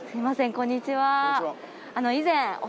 こんにちは。